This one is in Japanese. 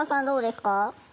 どうですか？